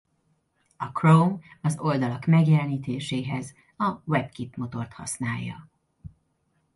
A Chrome az oldalak megjelenítéséhez a WebKit motort használja.